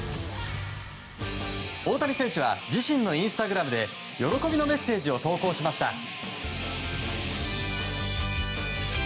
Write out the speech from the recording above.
大谷選手は自身のインスタグラムで喜びのメッセージを投稿しました。